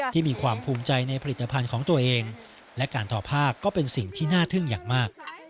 มีความภูมิใจในผลิตภัณฑ์ของตัวเองและการทอผ้าก็เป็นสิ่งที่น่าทึ่งอย่างมาก